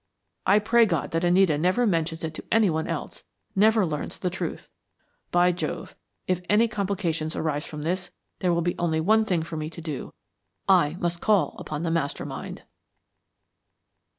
I pray God that Anita never mentions it to anyone else, never learns the truth. By Jove, if any complications arise from this, there will be only one thing for me to do. I must call upon the Master Mind."